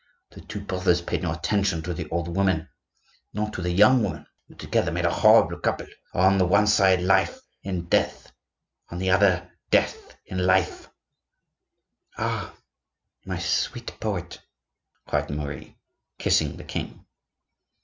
The two brothers paid no attention to the old woman nor to the young woman, who together made a horrible couple,—on the one side life in death, on the other death in life—" "Ah! my sweet poet!" cried Marie, kissing the king.